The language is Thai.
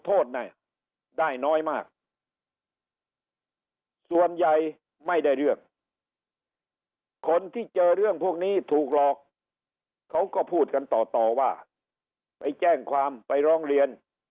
โทษได้น้อยมากส่วนใหญ่ไม่ได้เรื่องคนที่เจอเรื่องพวกนี้